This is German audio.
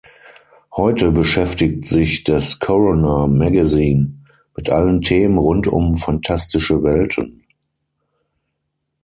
Heute beschäftigt sich das Corona Magazine mit allen Themen rund um fantastische Welten.